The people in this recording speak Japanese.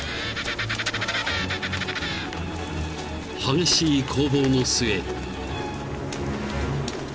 ［激しい攻防の末］